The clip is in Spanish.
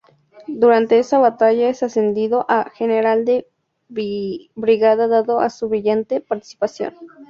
Durante esa batalla es ascendido a General de Brigada dado a su brillante participación.